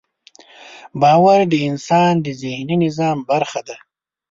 باور د انسان د ذهني نظام برخه ده.